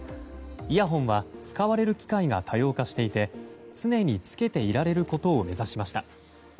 イヤホンは、使われる機会が多様化していて常に着けていられることを目指しました。